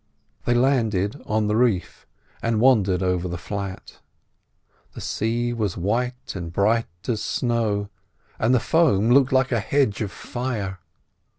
They landed on the reef and wandered over the flat. The sea was white and bright as snow, and the foam looked like a hedge of fire.